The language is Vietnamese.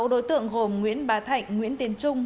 sáu đối tượng gồm nguyễn bà thạnh nguyễn tiến trường